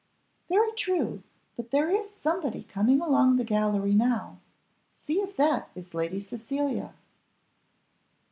"Very true, but there is somebody coming along the gallery now, see if that is Lady Cecilia."